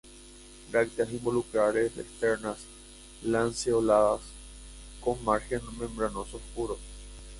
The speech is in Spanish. Brácteas involucrales externas lanceoladas, con margen membranoso oscuro.